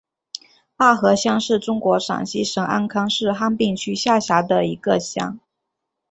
坝河乡是中国陕西省安康市汉滨区下辖的一个乡。